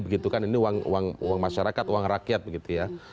begitu kan ini uang masyarakat uang rakyat